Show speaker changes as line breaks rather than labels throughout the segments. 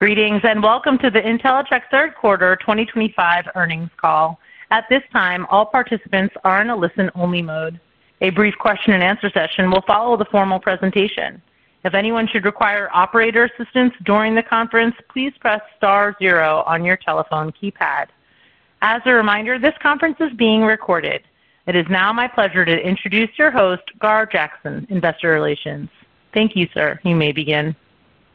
Greetings and welcome to the Intellicheck third quarter 2025 earnings call. At this time, all participants are in a listen only mode. A brief question and answer session will follow the formal presentation. If anyone should require operator assistance during the conference, please press Star 0 on your telephone keypad. As a reminder, this conference is being recorded. It is now my pleasure to introduce your host, Gar Jackson, Investor Relations. Thank you, sir. You may begin.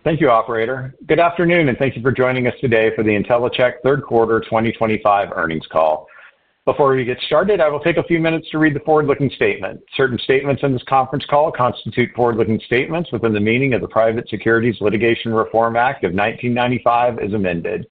Thank you, Operator. Good afternoon and thank you for joining us today for the Intellicheck third quarter 2025 earnings call. Before we get started, I will take a few minutes to read the Forward Looking Statement. Certain statements in this conference call constitute forward looking statements within the meaning of the Private Securities Litigation Reform Act of 1995 as amended.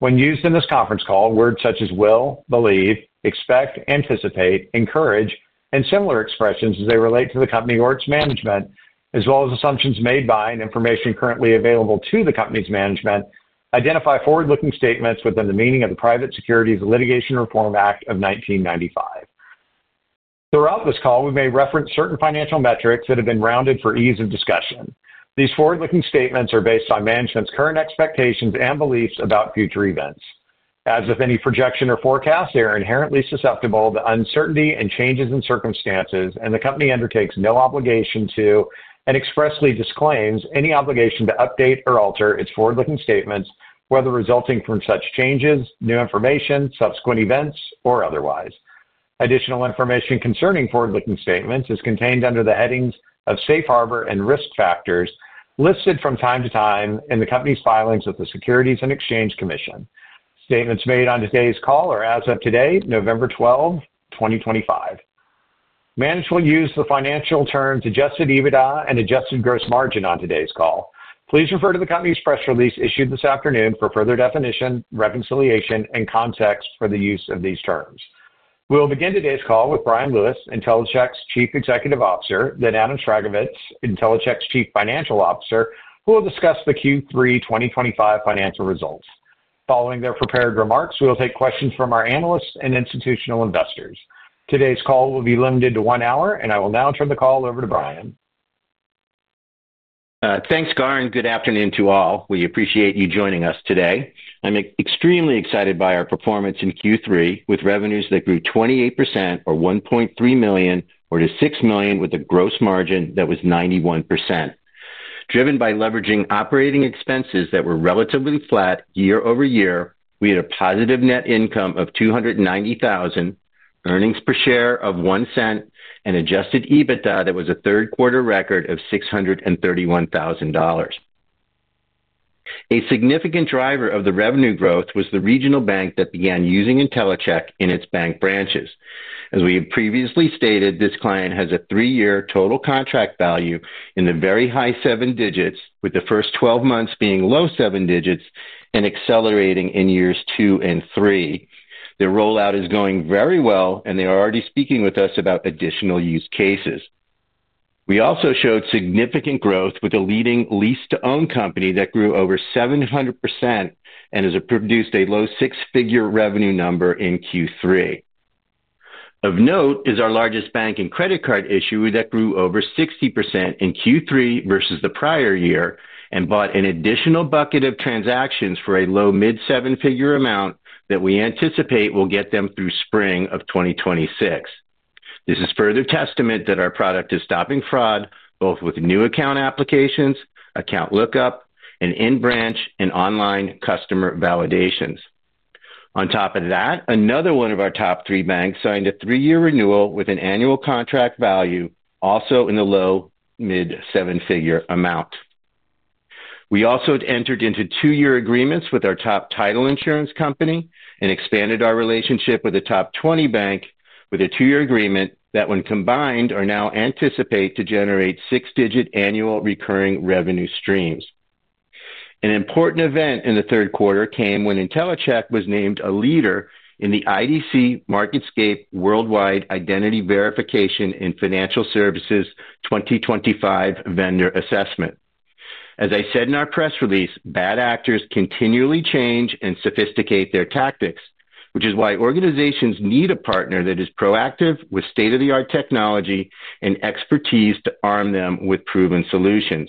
When used in this conference call, words such as will, believe, expect, anticipate, encourage and similar expressions as they relate to the Company or its management as well as assumptions made by and information currently available to the Company's management identify forward looking statements within the meaning of the Private Securities Litigation Reform Act of 1995. Throughout this call, we may reference certain financial metrics that have been rounded for ease of discussion. These forward looking statements are based on management's current expectations and beliefs about future events. As with any projection or forecast, they are inherently susceptible to uncertainty and changes in circumstances and the Company undertakes no obligation to and expressly disclaims any obligation to update or alter its forward looking statements, whether resulting from such changes, new information, subsequent events or otherwise. Additional information concerning forward looking statements is contained under the headings of Safe Harbor and Risk Factors listed from time to time in the Company's filings with the Securities and Exchange Commission. Statements made on today's call are as of today, November 12, 2025. Management will use the financial terms Adjusted EBITDA and Adjusted Gross Margin. On today's call, please refer to the Company's press release issued this afternoon for further definition, reconciliation and context for the use of these terms. We will begin today's call with Brian Lewis, Intellicheck's Chief Executive Officer, then Adam Sragovicz, Intellicheck's Chief Financial Officer, who will discuss the Q3 2025 financial results. Following their prepared remarks, we will take questions from our analysts and institutional investors. Today's call will be limited to one hour and I will now turn the call over to Brian.
Thanks Gar, and good afternoon to all. We appreciate you joining us today. I'm extremely excited by our performance in Q3. With revenues that grew 28% or $1.3 million or to $6 million with a gross margin that was 91% driven by leveraging operating expenses that were relatively flat year-over-year. We had a positive net income of $290,000, earnings per share of $0.01 and adjusted EBITDA that was a third quarter record of $631,000. A significant driver of the revenue growth was the regional bank that began using Intellicheck in its bank branches. As we have previously stated, this client has a three year total contract value in the very high seven digits with the first 12 months being low seven digits and accelerating in years two and their rollout is going very well and they are already speaking with us about additional use cases. We also showed significant growth with a leading lease to own company that grew over 700% and has produced a low six figure revenue number in Q3. Of note is our largest bank and credit card issuer that grew over 60% in Q3 versus the prior year and bought an additional bucket of transactions for a low mid seven figure amount that we anticipate will get them through spring of 2026. This is further testament that our product is stopping fraud both with new account applications, account lookup and in branch and online customer validations. On top of that another one of our top three banks signed a three year renewal with an annual contract value also in the low mid seven figure amount. We also entered into two-year agreements with our top title insurance company and expanded our relationship with the top 20 bank with a two-year agreement that when combined are now anticipated to generate six-digit annual recurring revenue streams. An important event in the third quarter came when Intellicheck was named a Leader in the IDC MarketScape Worldwide Identity Verification and Financial Services 2025 Vendor Assessment. As I said in our press release, bad actors continually change and sophisticate their tactics, which is why organizations need a partner that is proactive with state-of-the-art technology and expertise to arm them with proven solutions.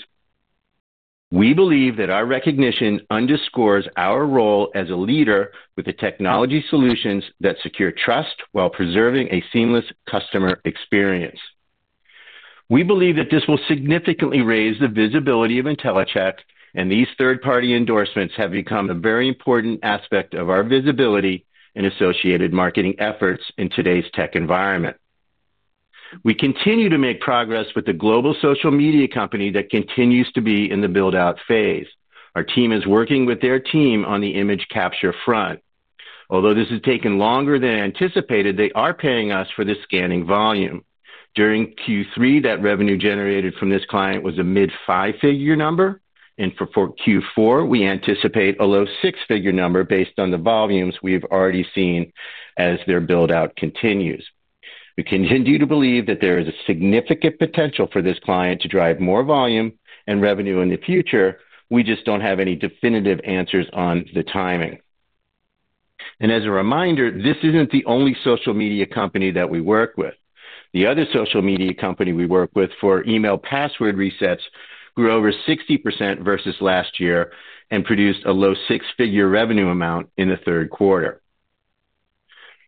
We believe that our recognition underscores our role as a leader with the technology solutions that secure trust while preserving a seamless customer experience. We believe that this will significantly raise the visibility of Intellicheck and these third party endorsements have become a very important aspect of our visibility and associated marketing efforts in today's tech environment. We continue to make progress with the global social media company that continues to be in the build out phase. Our team is working with their team on the image capture front, although this has taken longer than anticipated. They are paying us for the scanning volume. During Q3 that revenue generated from this client was a mid 5 figure number and for Q4 we anticipate a low 6 figure number based on the volumes we've already seen. As their build out continues, we continue to believe that there is a significant potential for this client to drive more volume and revenue in the future. We just don't have any definitive answers on the timing. As a reminder, this isn't the only social media company that we work with. The other social media company we work with for email password resets grew over 60% versus last year and produced a low six-figure revenue amount in the third quarter.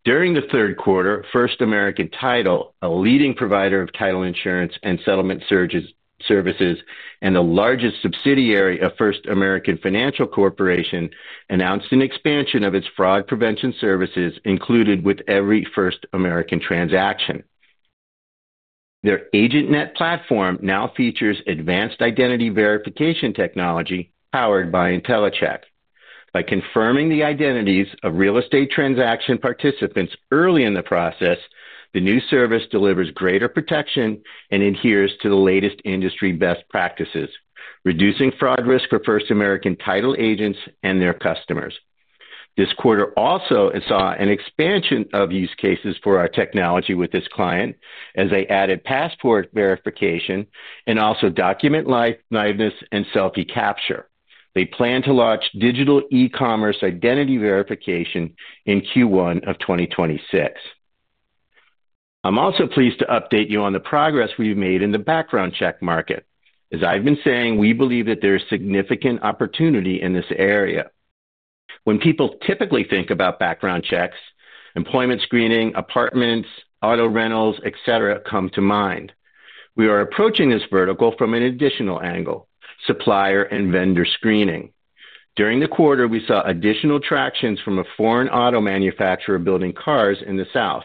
During the third quarter, First American Title, a leading provider of title insurance and settlement services and the largest subsidiary of First American Financial Corporation, announced an expansion of its fraud prevention services included with every First American transaction. Their Agent Net platform now features advanced identity verification technology powered by Intellicheck. By confirming the identities of real estate transaction participants early in the process, the new service delivers greater protection and adheres to the latest industry best practices, reducing fraud risk for First American Title agents and their customers. This quarter also saw an expansion of use cases for our technology with this client as they added passport verification and also document liveness and selfie capture. They plan to launch digital e-commerce identity verification in Q1 of 2026. I'm also pleased to update you on the progress we've made in the background check market. As I've been saying, we believe that there is significant opportunity in this area. When people typically think about background checks, employment screening, apartments, auto rentals, et cetera come to mind. We are approaching this vertical from an additional angle: supplier and vendor screening. During the quarter we saw additional traction from a foreign auto manufacturer building cars in the South.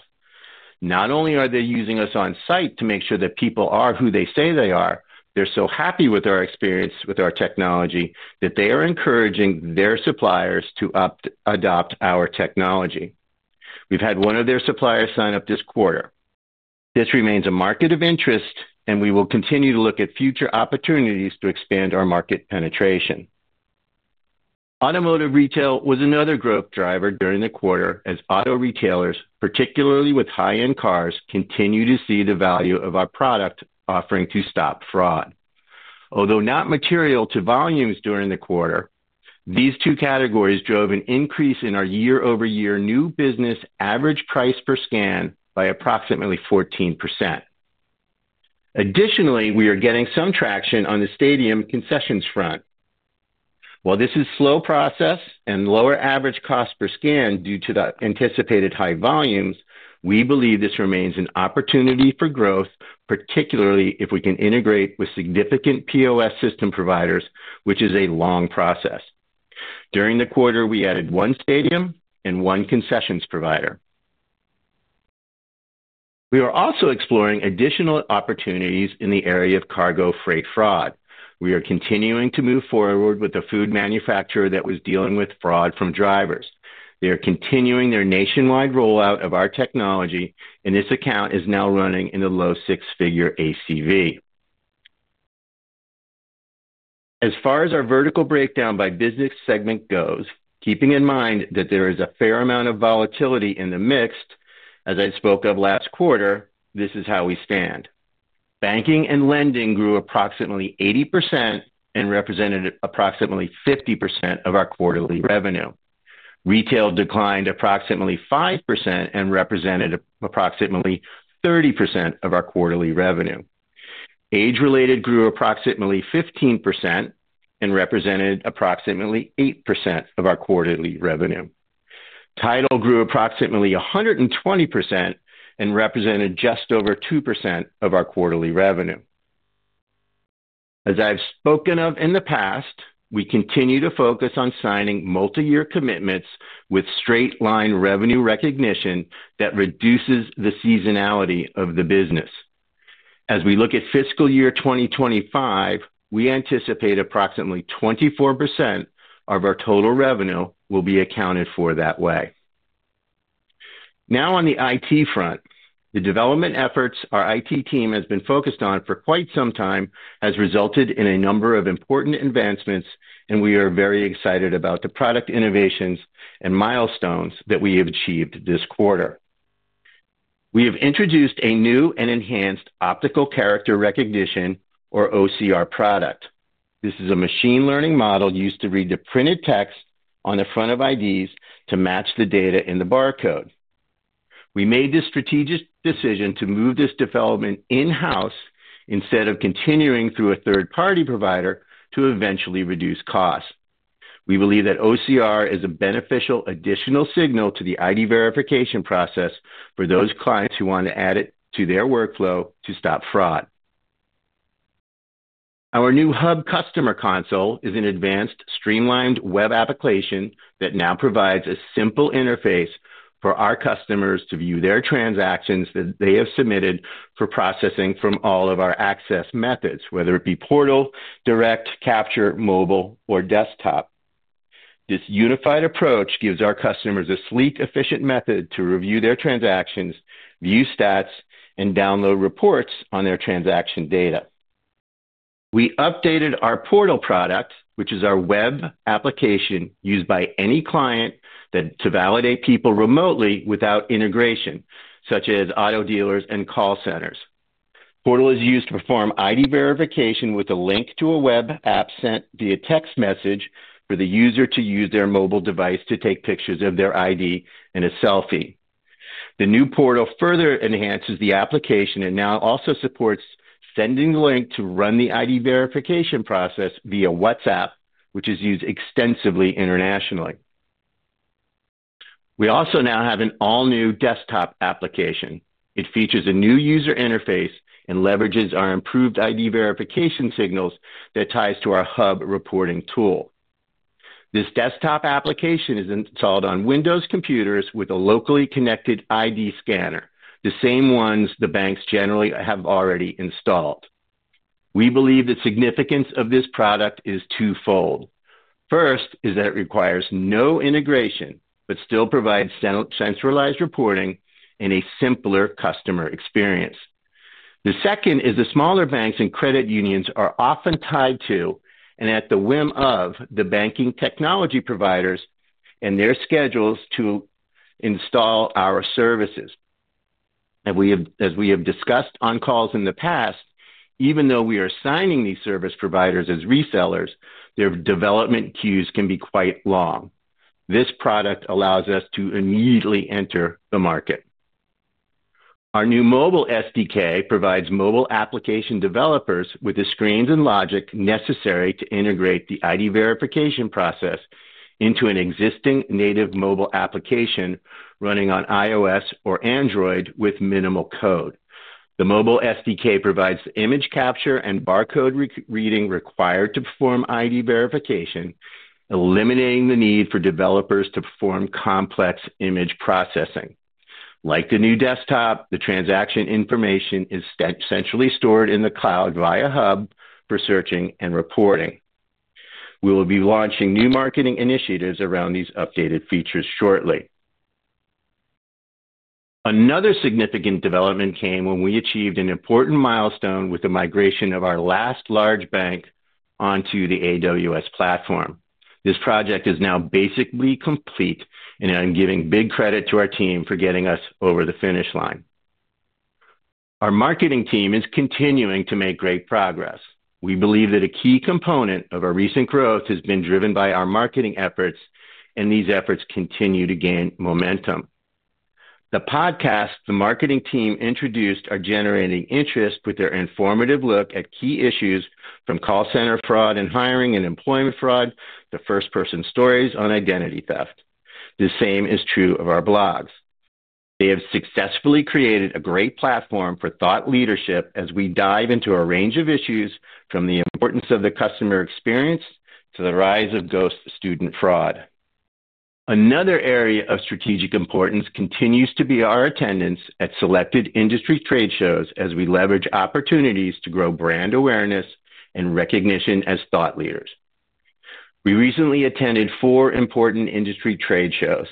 Not only are they using us on site to make sure that people are who they say they are, they're so happy with our experience with our technology that they are encouraging their suppliers to adopt our technology. We've had one of their suppliers sign up this quarter. This remains a market of interest and we will continue to look at future opportunities to expand our market penetration. Automotive retail was another growth driver during the quarter as auto retailers, particularly with high end cars, continue to see the value of our product offering to stop fraud. Although not material to volumes during the quarter, these two categories drove an increase in our year over year new business average price per scan by approximately 14%. Additionally, we are getting some traction on the stadium concessions front. While this is a slow process and lower average cost per scan due to the anticipated high volumes, we believe this remains an opportunity for growth, particularly if we can integrate with significant POS system providers, which is a long process. During the quarter we added one stadium and one concessions provider. We are also exploring additional opportunities in the area of cargo freight fraud. We are continuing to move forward with a food manufacturer that was dealing with fraud from drivers. They are continuing their nationwide rollout of our technology and this account is now running in the low six-figure ACV. As far as our vertical breakdown by business segment goes, keeping in mind that there is a fair amount of volatility in the mix. As I spoke of last quarter, this is how we stand. Banking and lending grew approximately 80% and represented approximately 50% of our quarterly revenue. Retail declined approximately 5% and represented approximately 30% of our quarterly revenue. Age related grew approximately 15% and represented approximately 8% of our quarterly revenue. Title grew approximately 120% and represented just over 2% of our quarterly revenue. As I've spoken of in the past, we continue to focus on signing multi year commitments with straight line revenue recognition that reduces the seasonality of the business. As we look at fiscal year 2025, we anticipate approximately 24% of our total revenue will be accounted for that way. Now on the IT front, the development efforts our IT team has been focused on for quite some time has resulted in a number of important advancements, and we are very excited about the product innovations and milestones that we have achieved this quarter. We have introduced a new and enhanced Optical Character Recognition or OCR product. This is a machine learning model used to read the printed text on the front of IDs to match the data in the barcode. We made this strategic decision to move this development in house instead of continuing through a third party provider to eventually reduce costs. We believe that OCR is a beneficial additional signal to the ID verification process for those clients who want to add it to their workflow to stop fraud. Our new Hub Customer Console is an advanced, streamlined web application that now provides a simple interface for our customers to view their transactions that they have submitted for processing from all of our access methods, whether it be Portal, direct capture, mobile or desktop. This unified approach gives our customers a sleek, efficient method to review their transactions, view stats and download reports on their transaction data. We updated our Portal product which is our web application used by any client to validate people remotely without integration such as auto dealers and call centers. Portal is used to perform ID verification with a link to a web app sent via text message for the user to use their mobile device to take pictures of their ID and a selfie. The new portal further enhances the application and now also supports sending the link to run the ID verification process via WhatsApp, which is used extensively internationally. We also now have an all new desktop application. It features a new user interface and leverages our improved ID verification signals that ties to our Hub reporting tool. This desktop application is installed on Windows computers with a locally connected ID scanner, the same ones the banks generally have already installed. We believe the significance of this product is twofold. First is that it requires no integration but still provides centralized reporting and a simpler customer experience. The second is the smaller banks and credit unions are often tied to and at the whim of the banking technology providers and their schedules to install our services. As we have discussed on calls in the past, even though we are assigning these service providers as resellers, their development queues can be quite long. This product allows us to immediately enter the market. Our new mobile SDK provides mobile application developers with the screens and logic necessary to integrate the ID verification process into an existing native mobile application running on iOS or Android with minimal code. The mobile SDK provides image capture and barcode reading required to perform ID verification, eliminating the need for developers to perform complex image processing. Like the new desktop, the transaction information is centrally stored in the cloud via Hub for searching and reporting. We will be launching new marketing initiatives around these updated features shortly. Another significant development came when we achieved an important milestone with the migration of our last large bank onto the AWS platform. This project is now basically complete and I'm giving big credit to our team for getting us over the finish line. Our marketing team is continuing to make great progress. We believe that a key component of our recent growth has been driven by our marketing efforts and these efforts continue to gain momentum. The podcast the marketing team introduced are generating interest with their informative look at key issues from call center fraud and hiring and employment fraud to first person stories on identity theft. The same is true of our blogs. They have successfully created a great platform for thought leadership as we dive into a range of issues from the importance of the customer experience to the rise of ghost student fraud. Another area of strategic importance continues to be our attendance at selected industry trade shows as we leverage opportunities to grow brand awareness and recognition as thought leaders. We recently attended four important industry trade shows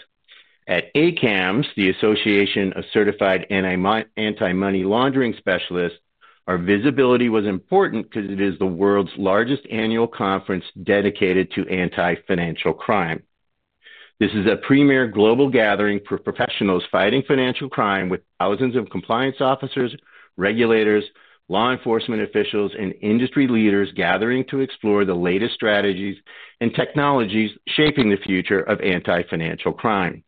at ACAMS, the Association of Certified Anti-Money Laundering Specialists. Our visibility was important because it is the world's largest annual conference dedicated to anti-financial crime. This is a premier global gathering for professionals fighting financial crime with thousands of compliance officers, regulators, law enforcement officials, and industry leaders gathering to explore the latest strategies and technologies shaping the future of anti-financial crime.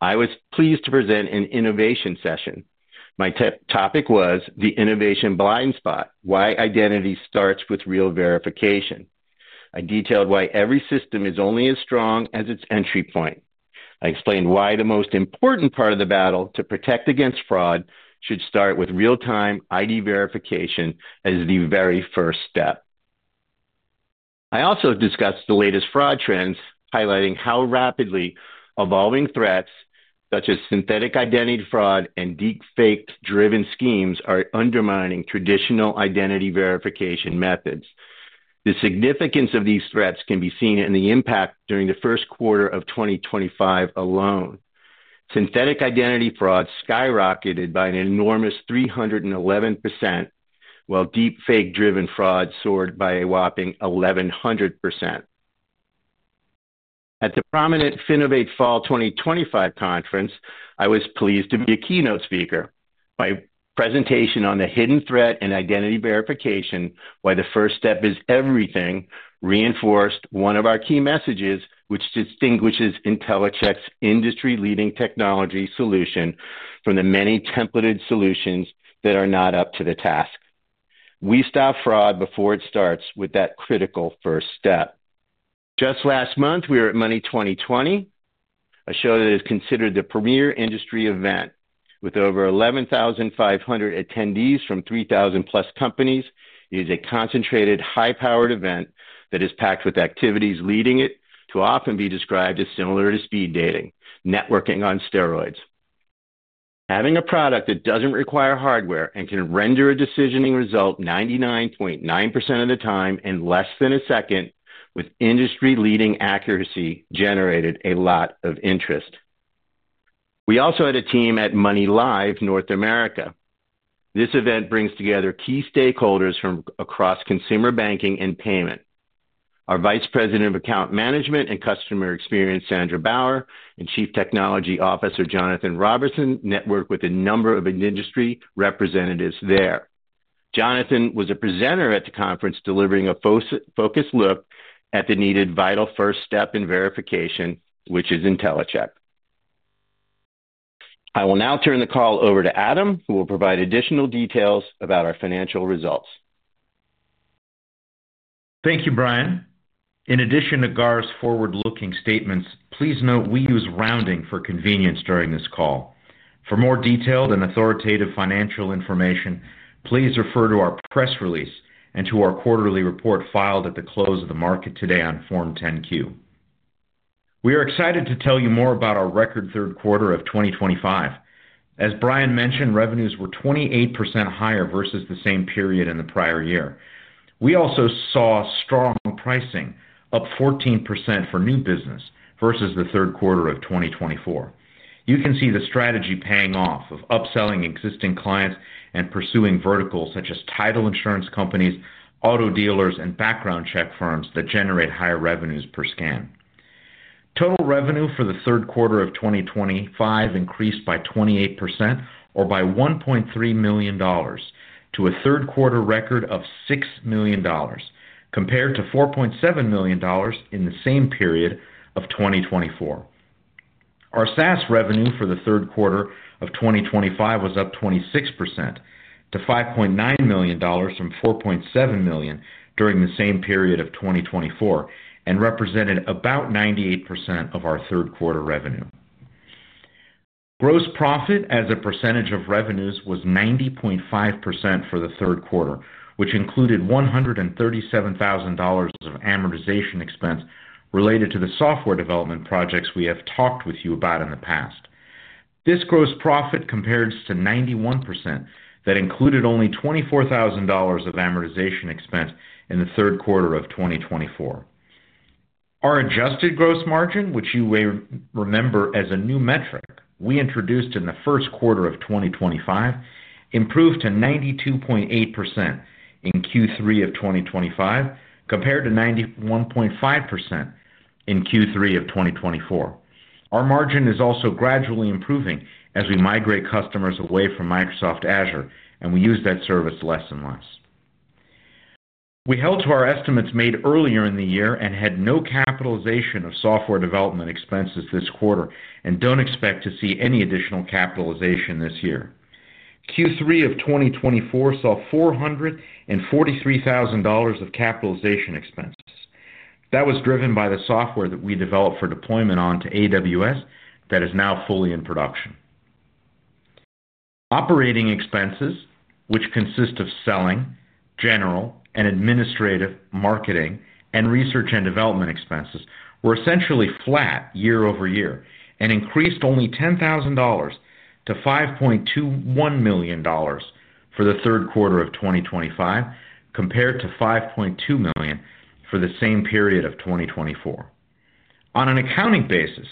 I was pleased to present an innovation session. My topic was the innovation, why identity starts with real verification. I detailed why every system is only as strong as its entry point. I explained why the most important part of the battle to protect against fraud should start with real time ID verification as the very first step. I also discussed the latest fraud trends, highlighting how rapidly evolving threats such as synthetic identity fraud and deepfake driven schemes are undermining traditional identity verification methods. The significance of these threats can be seen in the impact during the first quarter of 2025 alone, synthetic identity fraud skyrocketed by an enormous 311% while deepfake driven fraud soared by a whopping 1,100%. At the prominent Finovate Fall 2025 conference, I was pleased to be a keynote speaker. My presentation on the hidden threat and identity verification why the First Step Is Everything reinforced one of our key messages which distinguishes Intellicheck's industry leading technology solution from the many templated solutions that are not up to the task. We stop fraud before it starts with that critical first step. Just last month we were at Money20/20, a show that is considered the premier industry event with over 11,500 attendees from 3,000 plus companies. It is a concentrated, high powered event that is packed with activities, leading it to often be described as similar to speed dating, networking on steroids. Having a product that does not require hardware and can render a decisioning result 99.9% of the time in less than a second with industry leading accuracy generated a lot of interest. We also had a team at Money Live North America. This event brings together key stakeholders from across consumer banking and payment. Our Vice President of Account Management and Customer Experience Sandra Bauer and Chief Technology Officer Jonathan Robertson networked with a number of industry representatives there. Jonathan was a presenter at the conference delivering a focused look at the needed vital first step in verification which is Intellicheck. I will now turn the call over to Adam who will provide additional details about our financial results.
Thank you, Brian. In addition to Gar's forward-looking statements, please note we use rounding for convenience during this call. For more detailed and authoritative financial information, please refer to our press release and to our quarterly report filed at the close of the market today on Form 10-Q. We are excited to tell you more about our record third quarter of 2025. As Brian mentioned, revenues were 28% higher versus the same period in the prior year. We also saw strong pricing up 14% for new business versus the third quarter of 2024. You can see the strategy paying off of upselling existing clients and pursuing verticals such as title insurance companies, auto dealers, and background check firms that generate higher revenues per scan. Total revenue for the third quarter of 2025 increased by 28% or by $1.3 million to a third quarter record of $6 million, compared to $4.7 million in the same period of 2024. Our SaaS revenue for the third quarter of 2025 was up 26% to $5.9 million from $4.7 million during the same period of 2024 and represented about 98% of our third quarter revenue. Gross profit as a percentage of revenues was 90.5% for the third quarter, which included $137,000 of amortization expense related to the software development projects we have talked with you about in the past. This gross profit compared to 91% that included only $24,000 of amortization expense in the third quarter of 2024. Our adjusted gross margin, which you may remember as a new metric we introduced in the first quarter of 2025, improved to 92.8% in Q3 of 2025 compared to 91.5% in Q3 of 2024. Our margin is also gradually improving as we migrate customers away from Microsoft Azure and we use that service less and less. We held to our estimates made earlier in the year and had no capitalization of software development expenses this quarter and do not expect to see any additional capitalization this year. Q3 of 2024 saw $443,000 of capitalization expenses that was driven by the software that we developed for deployment onto AWS that is now fully in production. Operating expenses, which consist of selling, general and administrative, marketing, and research and development expenses, were essentially flat year-over-year and increased only $10,000 to $5.21 million for the third quarter of 2025 compared to $5.2 million for the same period of 2024. On an accounting basis,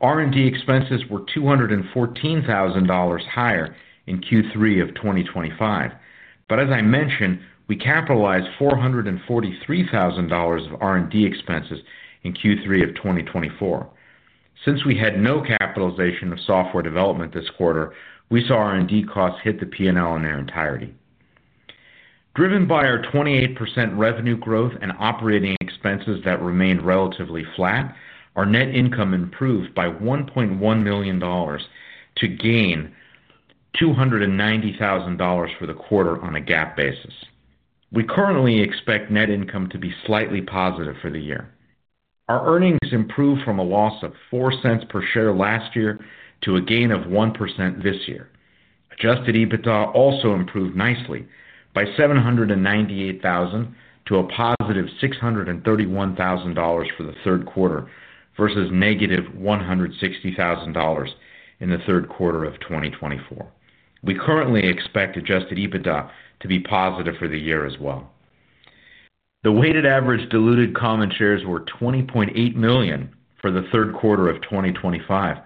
R&D expenses were $214,000 higher in Q3 of 2025, but as I mentioned, we capitalized $443,000 of R&D expenses in Q3 of 2024. Since we had no capitalization of software development this quarter, we saw R&D costs hit the P&L in their entirety, driven by our 28% revenue growth and operating expenses that remained relatively flat. Our net income improved by $1.1 million to gain $290,000 for the quarter. On a GAAP basis, we currently expect net income to be slightly positive for the year. Our earnings improved from a loss of $0.04 per share last year to a gain of 1% this year. Adjusted EBITDA also improved nicely by $798,000 to a positive $631,000 for the third quarter versus negative $160,000 in the third quarter of 2024. We currently expect adjusted EBITDA to be positive for the year as well. The weighted average diluted common shares were 20.8 million for the third quarter of 2025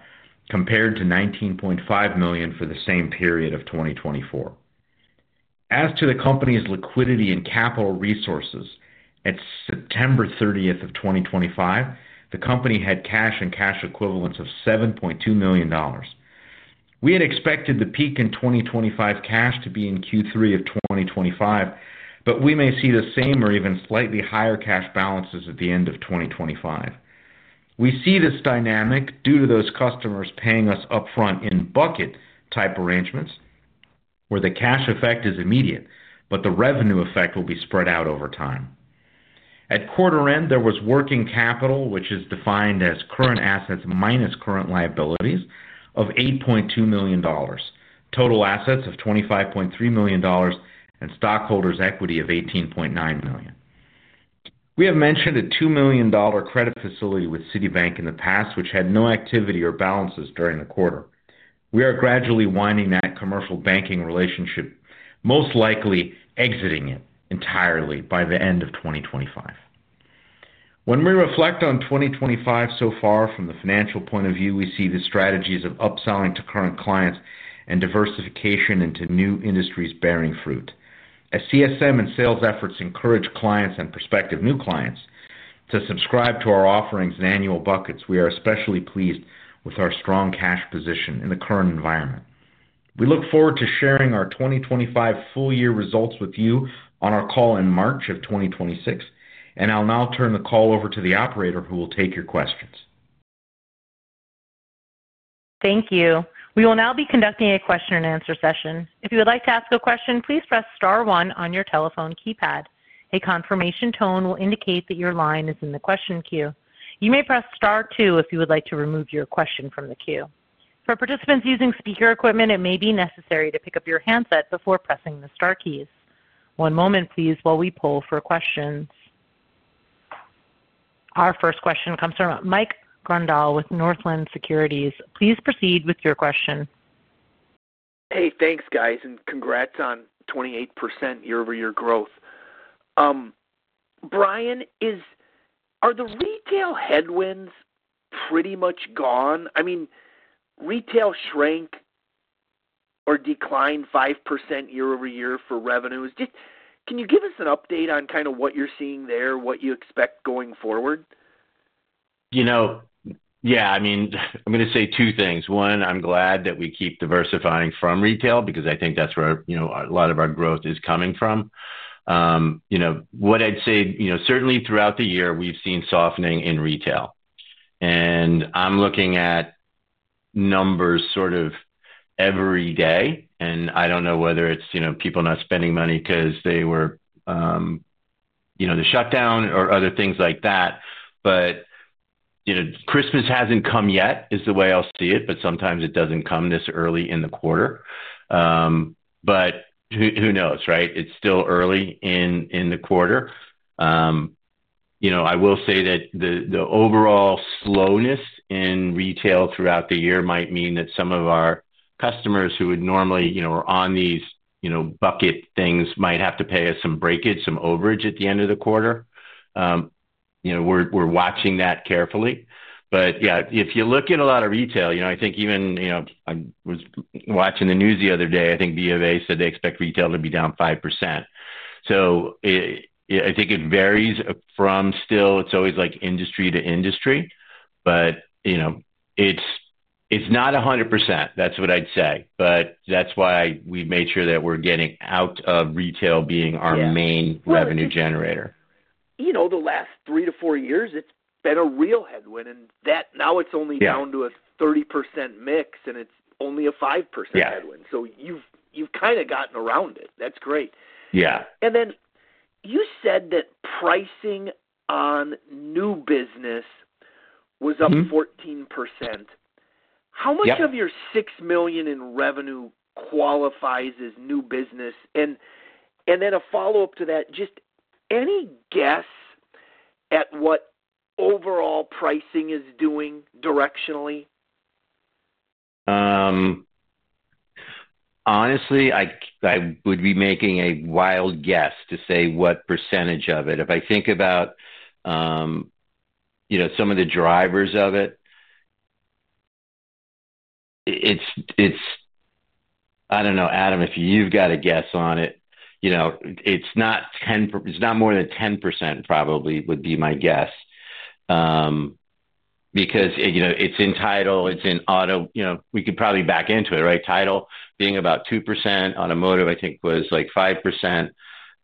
compared to 19.5 million for the same period of 2024. As to the company's liquidity and capital resources, at September 30 of 2025 the company had cash and cash equivalents of $7.2 million. We had expected the peak in 2025 cash to be in Q3 of 2025, but we may see the same or even slightly higher cash balances at the end of 2025. We see this dynamic due to those customers paying us upfront in bucket type arrangements where the cash effect is immediate but the revenue effect will be spread out over time. At quarter end there was working capital, which is defined as current assets minus current liabilities, of $8.2 million, total assets of $25.3 million, and stockholders' equity of $18.9 million. We have mentioned a $2 million credit facility with Citibank in the past, which had no activity or balances during the quarter. We are gradually winding that commercial banking relationship, most likely exiting it entirely by the end of 2025. When we reflect on 2025 so far from the financial point of view, we see the strategies of upselling to current clients and diversification into new industries bearing fruit as CSM and sales efforts encourage clients and prospective new clients to subscribe to our offerings and annual buckets. We are especially pleased with our strong cash position in the current environment. We look forward to sharing our 2025 full year results with you on our call in March of 2026, and I'll now turn the call over to the operator who will take your questions.
Thank you. We will now be conducting a question and answer session. If you would like to ask a question, please press Star one on your telephone keypad. A confirmation tone will indicate that your line is in the question queue. You may press Star two if you would like to remove your question from the queue. For participants using speaker equipment, it may be necessary to pick up your handset before pressing the star keys. One moment please, while we poll for questions. Our first question comes from Mike Grundahl with Northland Securities. Please proceed with your question.
Hey, thanks guys. Congrats on 28% year-over-year growth. Brian, are the retail headwinds pretty much gone? I mean, retail shrank or declined 5% year-over-year for revenues. Can you give us an update on kind of what you're seeing there, what you expect going forward?
Yeah, I'm going to say two things. One, I'm glad that we keep diversifying from retail because I think that's where a lot of our growth is coming from. What I'd say certainly, certainly throughout the year we've seen softening in retail. I'm looking at numbers sort of every day. I don't know whether it's people not spending money because they were the shutdown or other things like that, but Christmas hasn't come yet is the way I'll see it. Sometimes it doesn't come this early in the quarter. Who knows, it's still early in the quarter. I will say that the overall slowness in retail throughout the year might mean that some of our customers who would normally, you know, are on these, you know, bucket things might have to pay us some breakage, some overage at the end of the quarter. You know, we're watching that carefully. Yeah, if you look at a lot of retail, you know, I think even, you know, I was watching the news the other day, I think Bank of America said they expect retail to be down 5%. I think it varies from, still it's always like industry to industry. You know, it's not 100%. That's what I'd say. That's why we've made sure that we're getting out of retail being our main revenue generator.
You know, the last three to four years it's been a real headwind and that now it's only down to a 30% mix and it's only a 5% headwind. So you've kind of gotten around it. That's great.
Yeah.
You said that pricing on new business was up 14%. How much of your $6 million in revenue qualifies as new business? A follow up to that, just any guess at what overall pricing is doing directionally?
Honestly, I would be making a wild guess to say what percentage of it. If I think about, you know, some of the drivers of it. It's, it's, I don't know, Adam, if you've got a guess on it, you know, it's not 10, it's not more than 10% probably would be my guess because, you know, it's in title, it's in auto. You know, we could probably back into it, right? Title being about 2%. Automotive, I think was like 5%.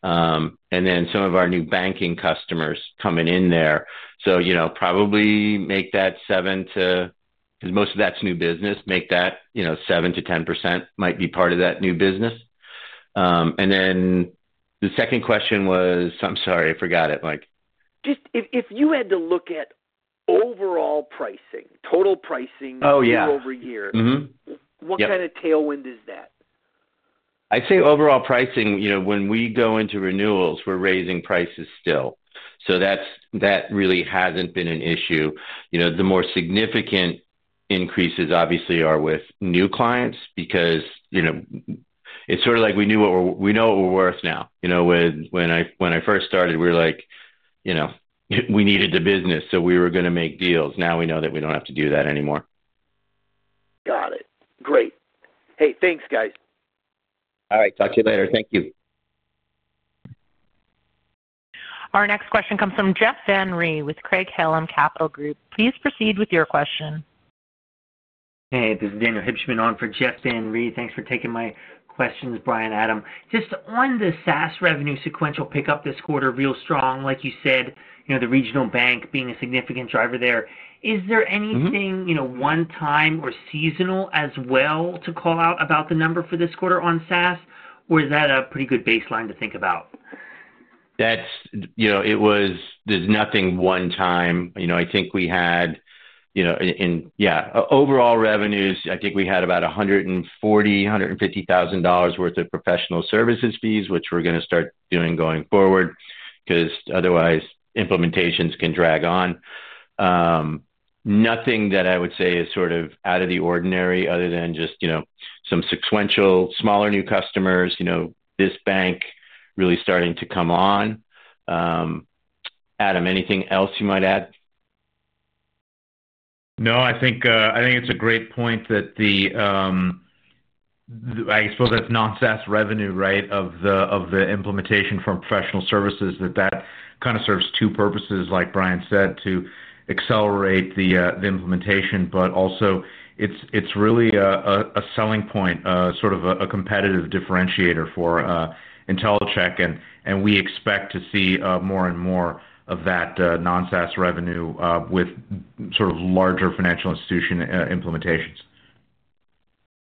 And then some of our new banking customers coming in there. You know, probably make that 7- because most of that's new business. Make that, you know, 7-10% might be part of that new business. And then the second question was. I'm sorry, I forgot it.
Like, just if you had to look at overall pricing, total pricing year-over-year, what kind of tailwind is that?
I say overall pricing. You know, when we go into renewals, we're raising prices still, so that really hasn't been an issue. You know, the more significant increases, obviously, are with new clients because, you know, it's sort of like we knew what we're. We know what we're worth now. You know, when I first started, we were like, you know, we needed the business, so we were going to make deals. Now we know that we don't have to do that anymore.
Got it. Great. Hey, thanks, guys.
All right, talk to you later. Thank you.
Our next question comes from Jeff Van Re with Craig-Hallum Capital Group. Please proceed with your question.
Hey, this is Daniel Hipschman on for Jeff Van Re. Thanks for taking my questions, Brian. Adam, just on the SaaS revenue sequential pickup this quarter. Real strong like you said, you know, the regional bank being a significant driver there. Is there anything, you know, one time or seasonal as well to call out about the number for this quarter on SaaS, or is that a pretty good baseline to think about?
That's, you know, it was. There's nothing. One time, you know, I think we had, you know, in, yeah, overall revenues, I think we had about $140,000-$150,000 worth of professional services fees, which we're going to start doing going forward because otherwise implementations can drag on. Nothing that I would say is sort of out of the ordinary other than just, you know, some sequential, smaller new customers. You know, this bank really starting to come on. Adam, anything else you might add?
No, I think, I think it's a great point that the, I suppose that's non-SaaS revenue, right, of the, of the implementation from professional services, that that kind of serves two purposes, like Brian said, to accelerate the implementation, but also it's really a selling point, sort of a competitive differentiator for Intellicheck, and we expect to see more and more of that non-SaaS revenue with sort of larger financial institution implementations.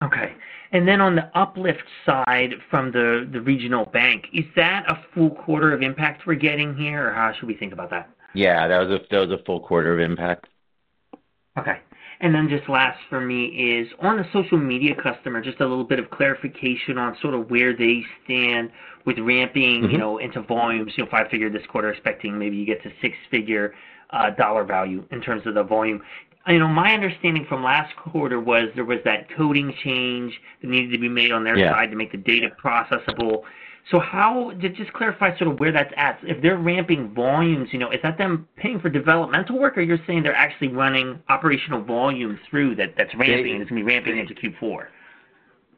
Okay, and then on the uplift side from the regional bank, is that a full quarter of impact we're getting here or how should we think about that?
Yeah, that was a full quarter of impact.
Okay.
Just last for me is on a social media customer, just a little bit of clarification on sort of where they stand with ramping into volumes. Five figure this quarter, expecting maybe you get to six figure dollar value in terms of the volume. You know, my understanding from last quarter was there was that coding change that needed to be made on their side to make the data processable. So just clarify sort of where that's at. If they're ramping volumes, you know, is that them paying for developmental work or you're saying they're actually running operational volume through that? That's ramping. It's gonna be ramping into Q4.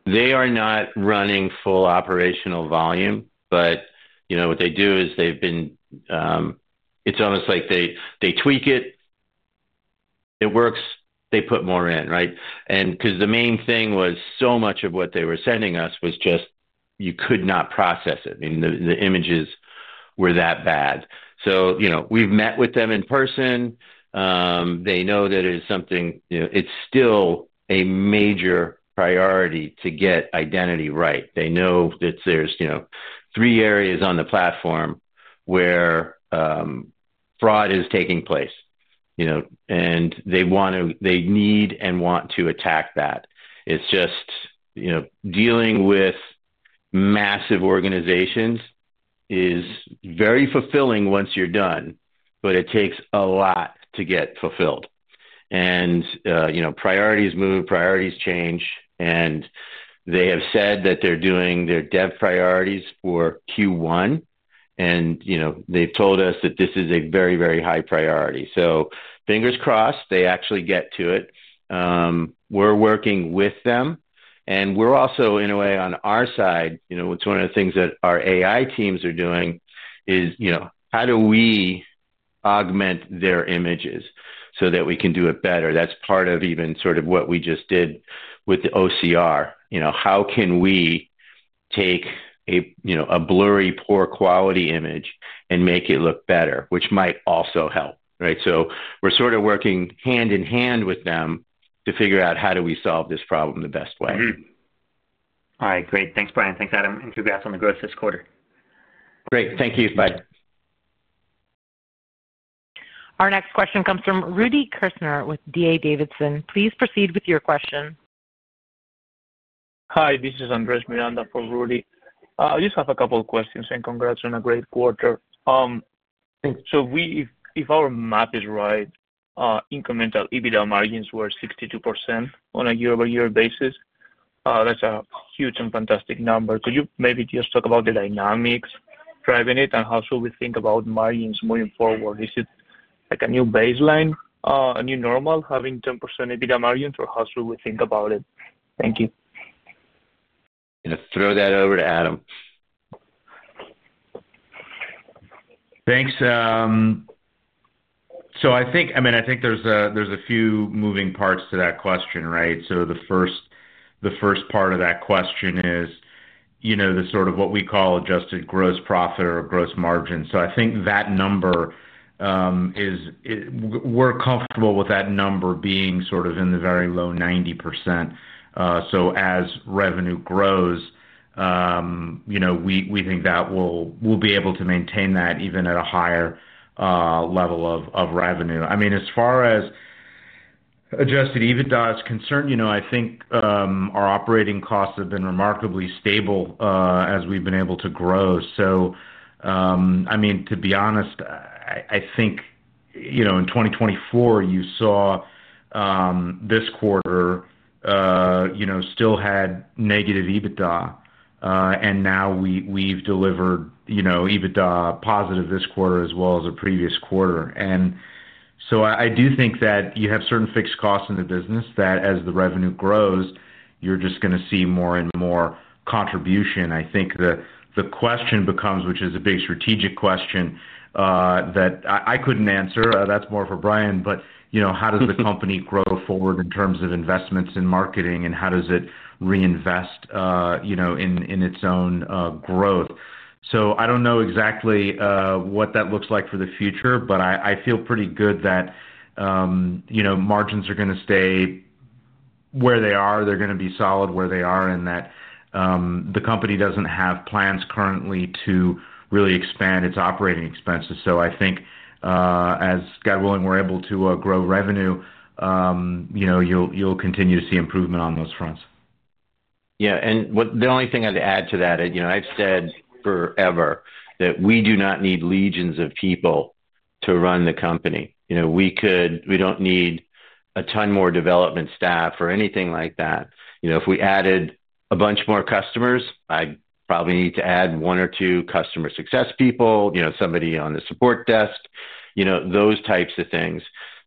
They are not running full operational volume. You know, what they do is they've been, it's almost like they tweak works, they put more in. Right. The main thing was so much of what they were sending us was just, you could not process it in, the images were that bad. You know, we've met with them in person. They know that it is something, you know, it's still a major priority to get identity. Right. They know that there's, you know, three areas on the platform where fraud is taking place. They want to, they need and want to attack that. It's just, you know, dealing with massive organizations is very fulfilling once you're done, but it takes a lot to get fulfilled and, you know, priorities move, priorities change. They have said that they're doing their Dev priorities for Q1, and you know, they've told us that this is a very, very high priority. Fingers crossed they actually get to it. We're working with them and we're also in a way on our side. You know, it's one of the things that our AI teams are doing is, you know, how do we augment their images so that we can do it better? That's part of even sort of what we just did with the OCR. You know, how can we take a, you know, a blurry, poor quality image and make it look better, which might also help. Right. We're sort of working hand in hand with them to figure out how do we solve this problem the best way. All right, great.
Thanks, Brian. Thanks, Adam. Congrats on the growth this quarter.
Great, thank you. Bye.
Our next question comes from Rudy Kirstner with DA Davidson. Please proceed with your question.
Hi, this is Andres Miranda for Rudy. I just have a couple of questions and congrats on a great quarter. So if our map is right, incremental EBITDA margins were 62% on a year-over-year basis. That's a huge and fantastic number. Could you maybe just talk about the dynamics driving it and how should we think about margins moving forward? Is it like a new baseline, a new normal, having 10% EBITDA margins, or how should we think about it? Thank you.
Gonna throw that over to Adam. Thanks.
I think, I mean, I think. There's a few moving parts to that question. Right. The first part of that question is, you know, the sort of what we call adjusted gross profit or gross margin. I think that number is, we're comfortable with that number being sort of in the very low 90%. As revenue grows, you know, we think that will, we'll be able to maintain that even at a higher level of revenue. I mean, as far as adjusted EBITDA is concerned, you know, I think our operating costs have been remarkably stable as we've been able to grow. I mean, to be honest, I think in 2024, you saw this quarter still had negative EBITDA and now we've delivered EBITDA positive this quarter as well as the previous quarter. I do think that you have certain fixed costs in the business that as the revenue grows, you're just going to see more and more contribution. I think the question becomes, which is a big strategic question that I could not answer, that's more for Brian. How does the company grow forward in terms of investments in marketing and how does it reinvest in its own growth? I do not know exactly what that looks like for the future, but I feel pretty good that margins are going to stay where they are. They are going to be solid where they are in that the company does not have plans currently to really expand its operating expenses. I think as God willing, we are able to grow revenue, you know, you will continue to see improvement on those fronts. Yeah. The only thing I'd add to that, you know, I've said forever that we do not need legions of people to run the company. You know, we could, we do not need a ton more development staff or anything like that. You know, if we added a bunch more customers I probably need to add one or two customer success people, you know, somebody on the support desk, you know, those types of things.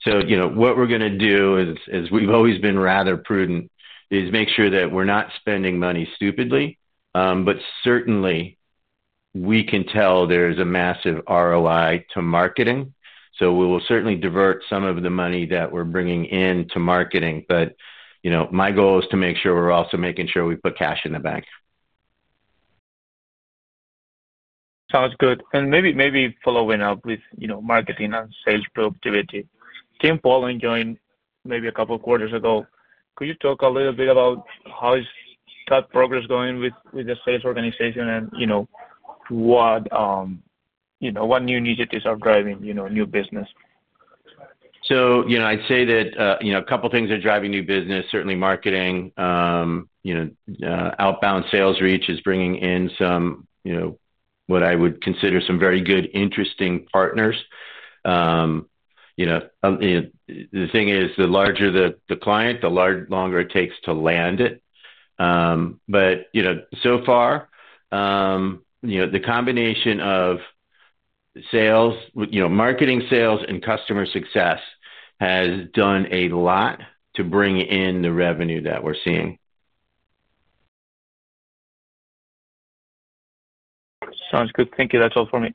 You know, what we're going to do is we've always been rather prudent, is make sure that we're not spending money stupidly. Certainly we can tell there is a massive ROI to marketing. We will certainly divert some of the money that we're bringing into marketing. You know, my goal is to make sure we're also making sure we put cash in the bank.
Sounds good. Maybe following up with, you know, marketing and sales productivity. Tim Paul joined maybe a couple quarters ago. Could you talk a little bit about how is that progress going with the sales organization and, you know, what, you know, what new initiatives are driving, you know, new business.
You know, I'd say that, you know, a couple things are driving new business. Certainly marketing, you know, outbound sales reach is bringing in some, you know, what I would consider some very good, interesting partners. The thing is, the larger the client, the longer it takes to land it. You know, so far, you know, the combination of sales, marketing, sales and customer success has done a lot to bring in the revenue that we're seeing.
Sounds good. Thank you. That's all for me.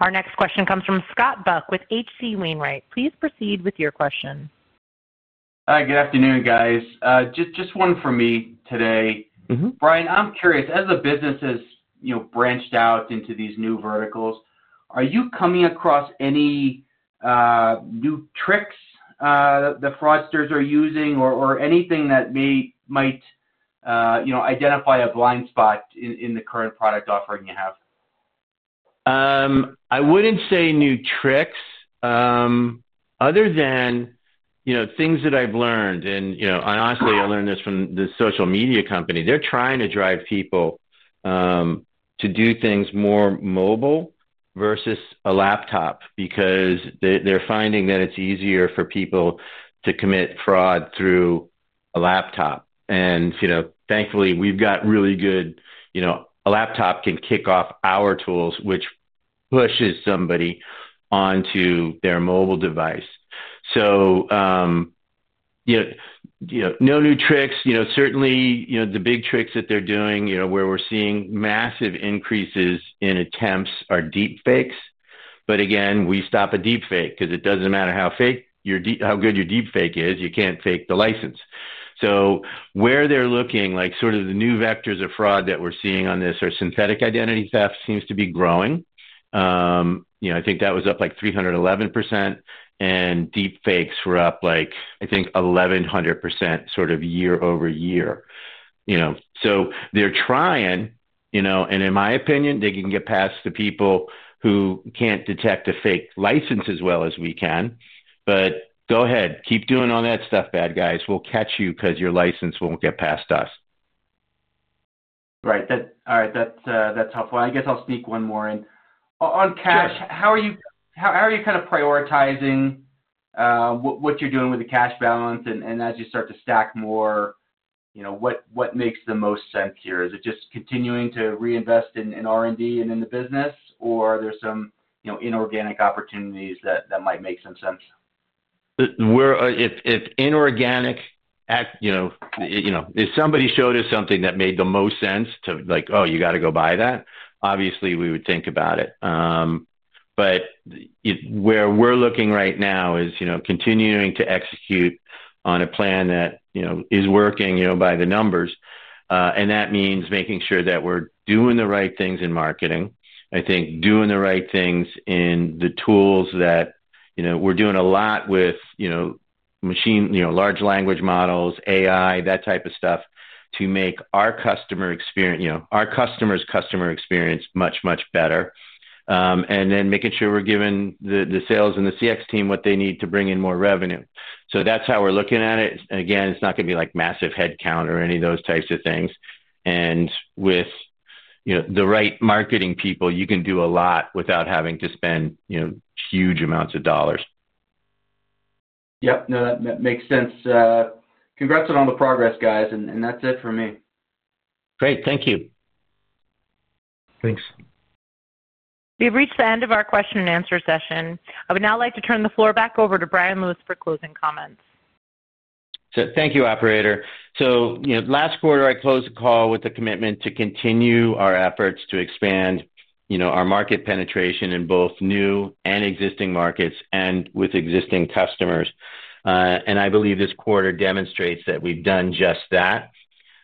Our next question comes from Scott Buck with HC Wainwright. Please proceed with your question.
Hi, good afternoon, guys. Just one for me today. Brian, I'm curious, as the business has. Branched out into these new verticals, are. You coming across any new tricks the fraudsters are using or anything that might?
Identify a blind spot in the current product offering you have? I wouldn't say new tricks other than things that I've learned. And honestly, I learned this from the social media company. They're trying to drive people to do things more mobile versus a laptop because they're finding that it's easier for people to commit fraud through a laptop. You know, thankfully we've got really good, you know, a laptop can kick off our tools which pushes somebody onto their mobile device. You know, no new tricks. You know, certainly, you know, the big tricks that they're doing, you know, where we're seeing massive increases in attempts are deepfakes. Again, we stop a deepfake because it doesn't matter how fake your, how good your deepfake is, you can't fake the license. Where they're looking like sort of the new vectors of fraud that we're seeing on this are synthetic. Identity theft seems to be growing. You know, I think that was up like 311% and deepfakes were up like, I think, 1,100% sort of year-over-year. You know, so they're trying, you know, and in my opinion, they can get past the people who can't detect a fake license as well as we can. Go ahead, keep doing all that stuff, bad guys, we'll catch you. Because your license won't get past us. Right, that.
All right, that, that's helpful, I guess. I'll sneak one more in on cash. How are you, how are you kind of prioritizing what? You're doing with the cash balance? As you start to stack more, you know, what makes the most sense here? Is it just continuing to reinvest in R&D and in the business or are there some, you know, inorganic opportunities that might make some sense.
Where if inorganic, you know, if somebody showed us something that made the most sense to like, oh, you got to go buy that, obviously we would think about it. Where we're looking right now is, you know, continuing to execute on a plan that is working, you know, by the numbers. That means making sure that we're doing the right things in marketing, I think doing the right things in the tools that, you know, we're doing a lot with, you know, machine, you know, large language models, AI, that type of stuff to make our customer experience, you know, our customers' customer experience much, much better. Then making sure we're giving the sales and the team what they need to bring in more revenue. That's how we're looking at it. Again, it's not going to be like mass headcount or any of those types of things. With the right marketing people, you can do a lot without having to spend huge amounts of dollars.
Yep, that makes sense. Congrats on all the progress, guys. That's it for me.
Great. Thank you.
Thanks.
We've reached the end of our question and answer session. I would now like to turn the floor back over to Brian Lewis for closing comments.
Thank you, operator. You know, last quarter I closed the call with the commitment to continue our efforts to expand, you know, our market penetration in both new and existing markets and with existing customers. I believe this quarter demonstrates that we've done just that.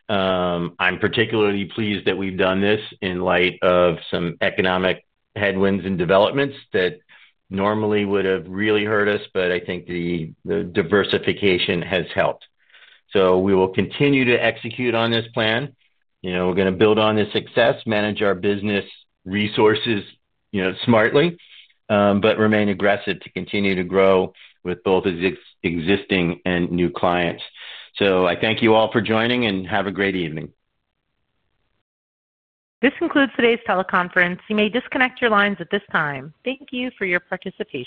I'm particularly pleased that we've done this in light of some economic headwinds and developments that normally would have really hurt us, but I think the diversification has helped. We will continue to execute on this plan. You know, we're going to build on this success, manage our business resources, you know, smartly, but remain aggressive to continue to grow with both existing and new clients. I thank you all for joining and have a great evening.
This concludes today's teleconference. You may disconnect your lines at this time. Thank you for your participation.